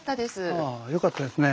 ああよかったですね。